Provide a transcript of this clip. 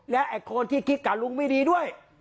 และไอ้คนที่คิดกับลุงไม่ดีด้วย